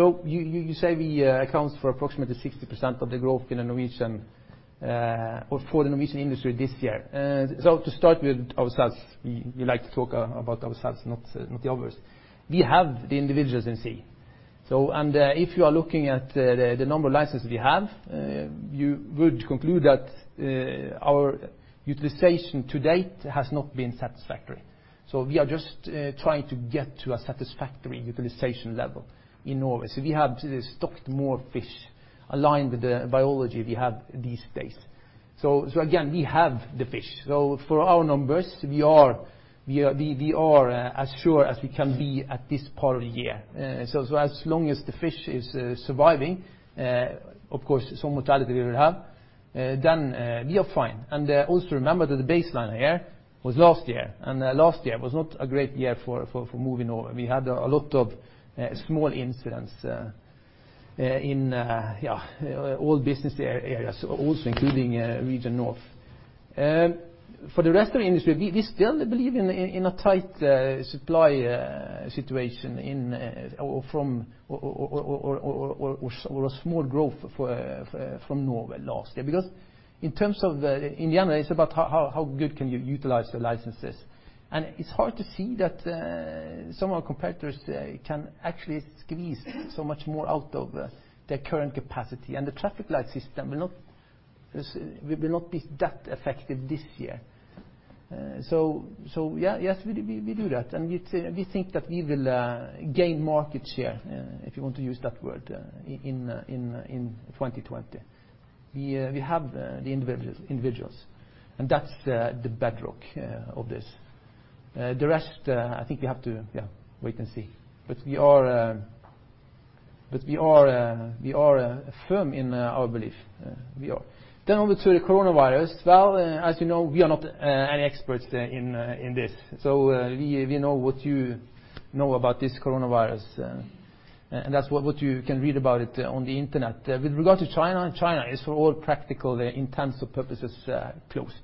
Speaker 1: You say we account for approximately 60% of the growth for the Norwegian industry this year. To start with ourselves, we like to talk about ourselves not the others. We have the individuals in sea. If you are looking at the number of licenses we have, you would conclude that our utilization to date has not been satisfactory. We are just trying to get to a satisfactory utilization level in Norway. We have stocked more fish aligned with the biology we have these days. Again, we have the fish. For our numbers, we are as sure as we can be at this part of the year. As long as the fish is surviving, of course, some mortality we will have, then we are fine. Also remember that the baseline here was last year, and last year was not a great year for Mowi Norway. We had a lot of small incidents in all business areas, also including Region North. For the rest of the industry, we still believe in a tight supply situation or a small growth from Norway last year. In general, it's about how good can you utilize the licenses. It's hard to see that some of our competitors can actually squeeze so much more out of their current capacity, and the traffic light system will not be that effective this year. Yes, we do that, and we think that we will gain market share, if you want to use that word, in 2020. We have the individuals, and that's the bedrock of this. The rest, I think we have to, yeah, wait and see. We are firm in our belief. We are. Onto the coronavirus. Well, as you know, we are not experts in this. We know what you know about this coronavirus, and that's what you can read about it on the internet. With regard to China is for all practical intents and purposes, closed.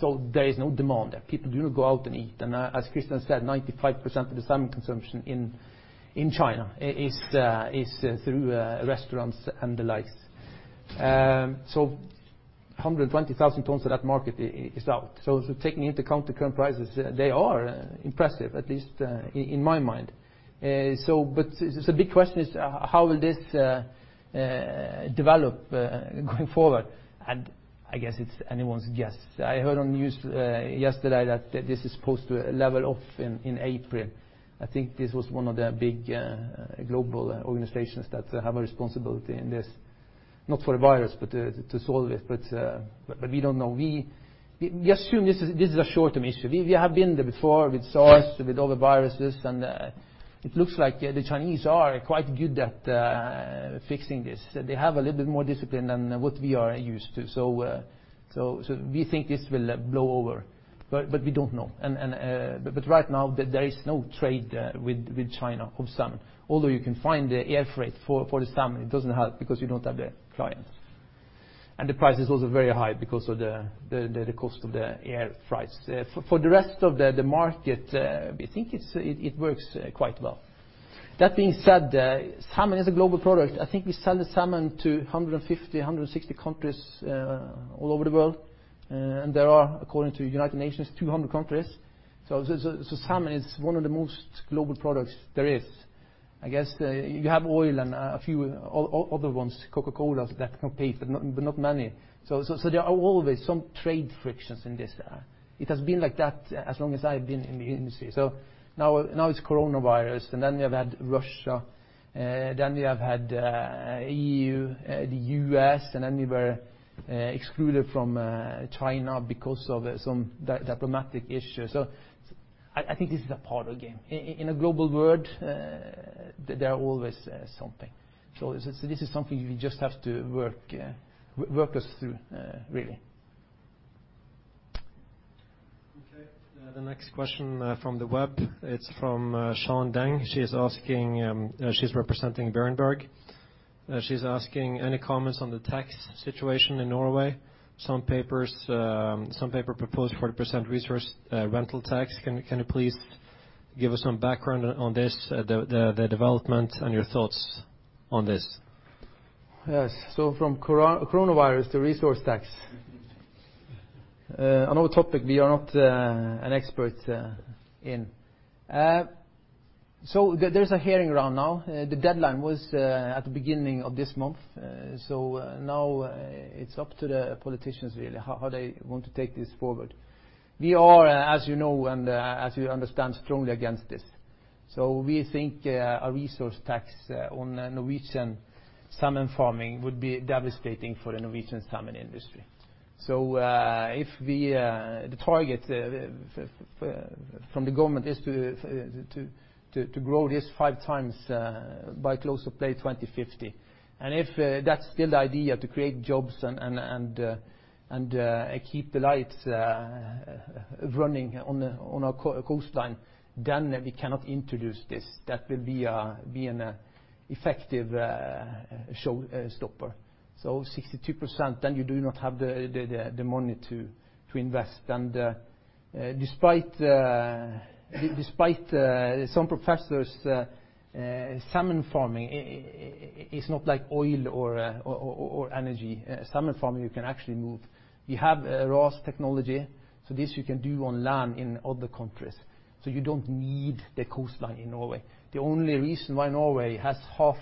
Speaker 1: There is no demand there. People do not go out and eat. As Kristian said, 95% of the salmon consumption in China is through restaurants and the likes, so 120,000 tons of that market is out. Taking into account the current prices, they are impressive, at least in my mind. The big question is, how will this develop going forward? I guess it's anyone's guess. I heard on the news yesterday that this is supposed to level off in April. I think this was one of the big global organizations that have a responsibility in this, not for the virus, but to solve it. We don't know. We assume this is a short-term issue. We have been there before with SARS, with other viruses, and it looks like the Chinese are quite good at fixing this. They have a little bit more discipline than what we are used to. We think this will blow over, but we don't know. Right now there is no trade with China of salmon, although you can find the air freight for the salmon, it doesn't help because you don't have the clients. The price is also very high because of the cost of the air freights. For the rest of the market, we think it works quite well. That being said, salmon is a global product. I think we sell the salmon to 150, 160 countries all over the world. There are, according to United Nations, 200 countries. Salmon is one of the most global products there is. I guess you have oil and a few other ones, Coca-Cola, that pay, but not many. There are always some trade frictions in this area. It has been like that as long as I've been in the industry. Now it's coronavirus, and then we have had Russia, then we have had EU, the U.S., and then we were excluded from China because of some diplomatic issue. I think this is a part of the game. In a global world, there is always something. This is something we just have to work us through, really.
Speaker 2: Okay. The next question from the web, it's from Shan Deng. She is representing Berenberg. She's asking, any comments on the tax situation in Norway? Some paper proposed 40% resource rent tax. Can you please give us some background on this, the development and your thoughts on this?
Speaker 1: Yes. From coronavirus to resource tax. Another topic we are not an expert in. There's a hearing round now. The deadline was at the beginning of this month. Now it's up to the politicians, really, how they want to take this forward. We are, as you know and as you understand, strongly against this. We think a resource tax on Norwegian salmon farming would be devastating for the Norwegian salmon industry. If the target from the government is to grow this 5x by close of play 2050, and if that's still the idea to create jobs and keep the lights running on our coastline, then we cannot introduce this. That will be an effective showstopper, so 62%, and you do not have the money to invest. Despite some professors, salmon farming is not like oil or energy. Salmon farming, you can actually move. You have RAS technology. This you can do on land in other countries. You don't need the coastline in Norway. The only reason why Norway has half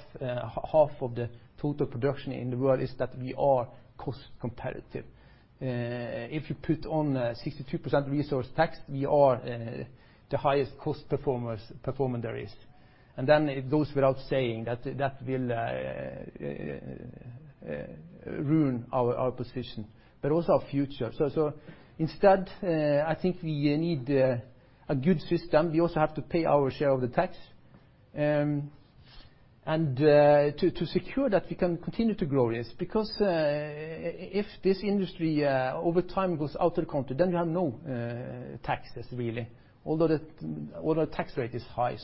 Speaker 1: of the total production in the world is that we are cost competitive. If you put on 62% resource tax, we are the highest cost performer there is. It goes without saying that that will ruin our position, but also our future. Instead, I think we need a good system. We also have to pay our share of the tax. To secure that we can continue to grow this, because if this industry over time goes out of the country, then we have no taxes really, although the tax rate is high.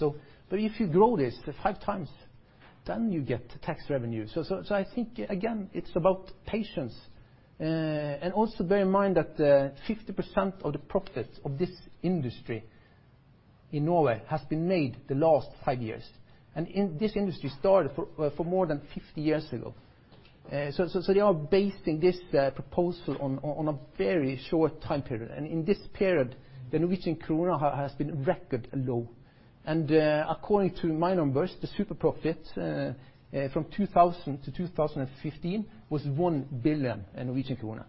Speaker 1: If you grow this five times, then you get tax revenue. I think, again, it's about patience. Also bear in mind that 50% of the profits of this industry in Norway has been made the last five years. This industry started for more than 50 years ago. They are basing this proposal on a very short time period. In this period, the Norwegian krone has been record low. According to my numbers, the super profit from 2000 to 2015 was 1 billion Norwegian kroner.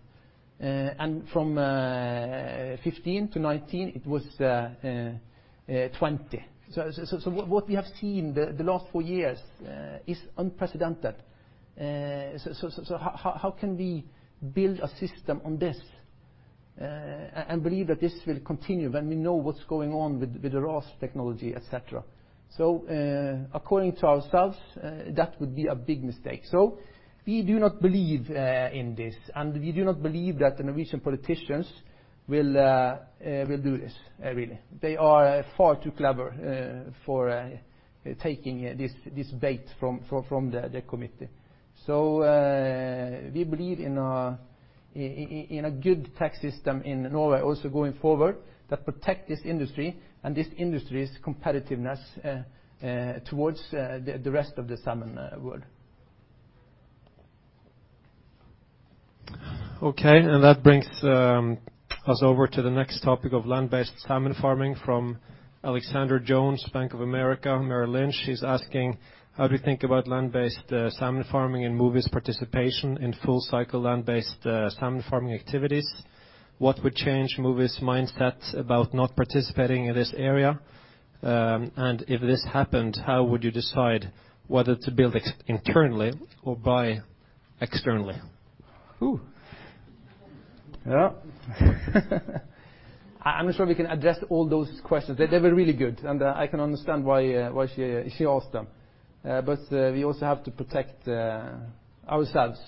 Speaker 1: From 2015-2019, it was 20 billion. What we have seen the last four years is unprecedented. How can we build a system on this, and believe that this will continue when we know what's going on with the RAS technology, et cetera? According to ourselves, that would be a big mistake. We do not believe in this, and we do not believe that the Norwegian politicians will do this, really. They are far too clever for taking this bait from the committee. We believe in a good tax system in Norway also going forward that protect this industry and this industry's competitiveness towards the rest of the salmon world.
Speaker 2: Okay, that brings us over to the next topic of land-based salmon farming from Alexander Jones, Bank of America Merrill Lynch. She's asking: How do you think about land-based salmon farming in Mowi's participation in full cycle land-based salmon farming activities? What would change Mowi's mindset about not participating in this area? If this happened, how would you decide whether to build internally or buy externally?
Speaker 1: Ooh. Yeah. I'm not sure we can address all those questions. They were really good, and I can understand why she asked them. We also have to protect ourselves.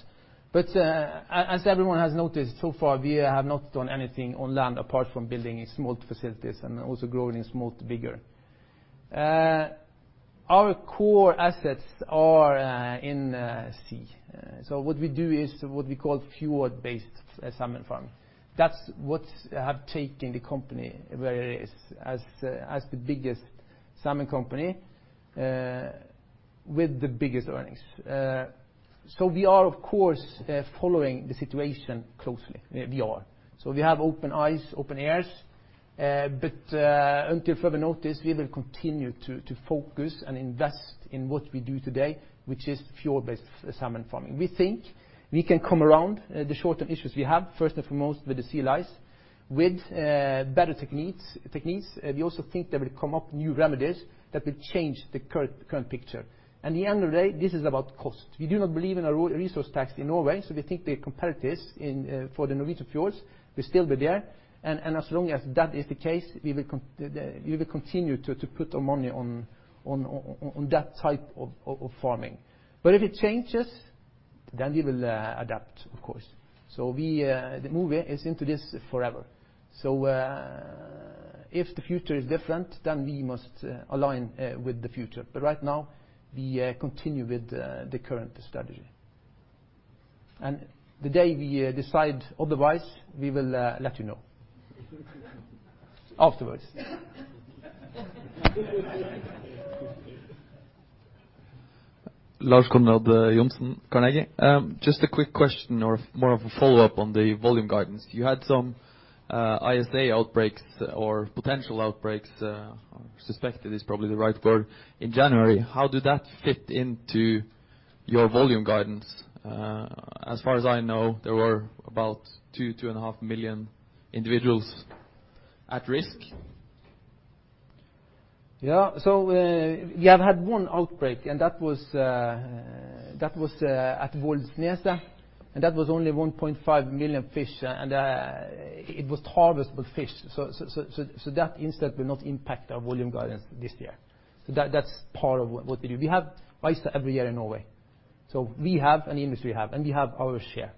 Speaker 1: As everyone has noticed so far, we have not done anything on land apart from building small facilities and also growing in small vigor. Our core assets are in sea. What we do is what we call fjord-based salmon farming. That's what have taken the company where it is as the biggest salmon company with the biggest earnings. We are, of course, following the situation closely. We are. We have open eyes, open ears. Until further notice, we will continue to focus and invest in what we do today, which is fjord-based salmon farming. We think we can come around the short-term issues we have, first and foremost, with the sea lice, with better techniques. We also think there will come up new remedies that will change the current picture. At the end of the day, this is about cost. We do not believe in a resource tax in Norway. We think the comparatives for the Norwegian fjords will still be there. As long as that is the case, we will continue to put our money on that type of farming. If it changes, then we will adapt, of course. Mowi is into this forever. If the future is different, then we must align with the future. Right now, we continue with the current strategy. The day we decide otherwise, we will let you know. Afterwards.
Speaker 5: Lars Konrad Johnsen, Carnegie. Just a quick question or more of a follow-up on the volume guidance. You had some ISA outbreaks or potential outbreaks, suspected is probably the right word, in January. How did that fit into your volume guidance? As far as I know, there were about 2.5 million individuals at risk.
Speaker 1: Yeah. We have had one outbreak, and that was at Valsneset, and that was only 1.5 million fish, and it was harvestable fish. That incident will not impact our volume guidance this year. That's part of what we do. We have ISA every year in Norway. We have, an industry have, and we have our share,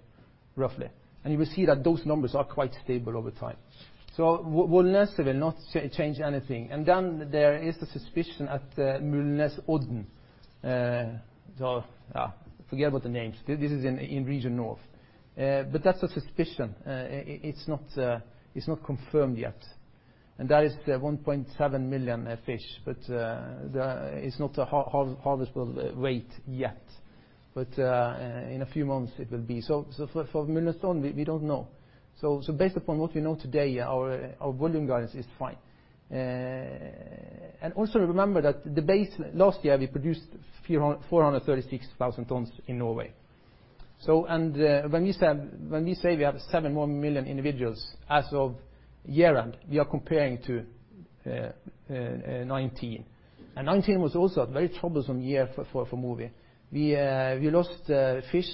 Speaker 1: roughly. You will see that those numbers are quite stable over time. Valsneset will not change anything. There is the suspicion at Mulnesodden. Forget about the names. This is in region north. That's a suspicion. It's not confirmed yet. That is the 1.7 million fish, but it's not a harvestable weight yet. In a few months it will be. For Mulnesodden, we don't know. Based upon what we know today, our volume guidance is fine. Also remember that last year, we produced 436,000 tons in Norway. When we say we have 7 million individuals as of year-end, we are comparing to 2019. A 2019 was also a very troublesome year for Mowi. We lost fish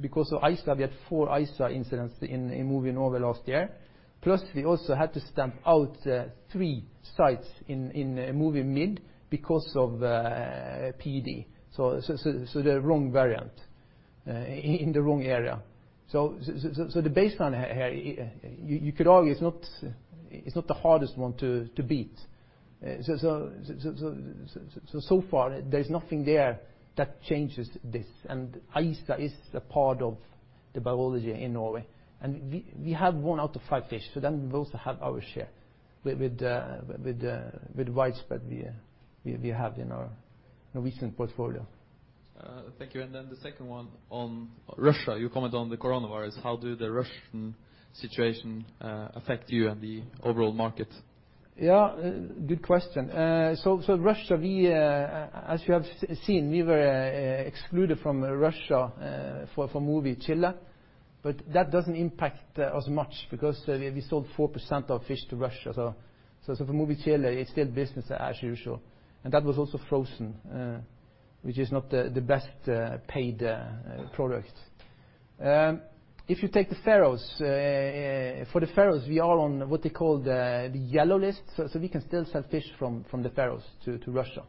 Speaker 1: because of ISA. We had four ISA incidents in Mowi Norway last year. Plus, we also had to stamp out three sites in Mowi Mid because of PD. The wrong variant in the wrong area. The baseline here, you can—is not the hardest one to beat. Far there's nothing there that changes this, and ISA is a part of the biology in Norway. We have one out of five fish, we also have our share with widespread we have in our recent portfolio.
Speaker 5: Thank you. The second one on Russia. You comment on the coronavirus. How do the Russian situation affect you and the overall market?
Speaker 1: Yeah. Good question. Russia, as you have seen, we were excluded from Russia for Mowi Chile, but that doesn't impact us much because we sold 4% of fish to Russia. For Mowi Chile, it's still business as usual. That was also frozen, which is not the best paid product. If you take the Faroes, for the Faroes, we are on what they call the yellow list. We can still sell fish from the Faroes to Russia.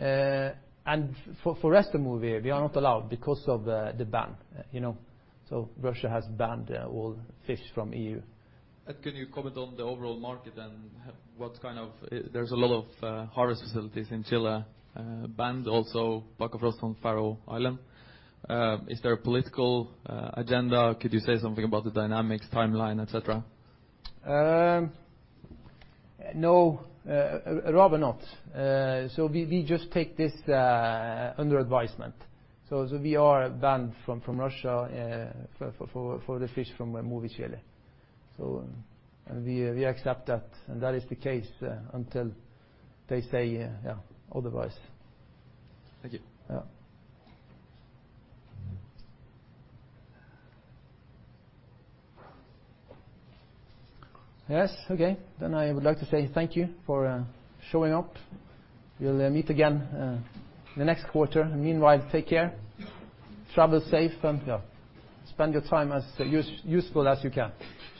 Speaker 1: For rest of Mowi, we are not allowed because of the ban. Russia has banned all fish from EU.
Speaker 5: Can you comment on the overall market and there's a lot of harvest facilities in Chile banned also Bakkafrost on Faroe Islands. Is there a political agenda? Could you say something about the dynamics, timeline, et cetera?
Speaker 1: No. Rather not. We just take this under advisement. We are banned from Russia for the fish from Mowi in Chile. We accept that, and that is the case until they say otherwise.
Speaker 5: Thank you.
Speaker 1: Yeah. Yes. Okay. I would like to say thank you for showing up. We'll meet again the next quarter. Meanwhile, take care, travel safe, and spend your time as useful as you can. Thank you.